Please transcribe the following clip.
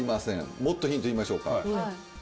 もっとヒント言いましょうか。